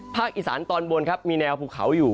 ภาคอิสานตอนบนมีแนวพุดเขาอยู่